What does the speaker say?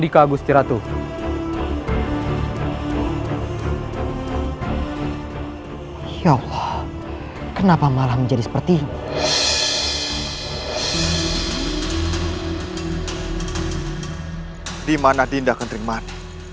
kau akan menolak perintah ibumu